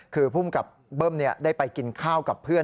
คือภูมิกับเบิ้มได้ไปกินข้าวกับเพื่อน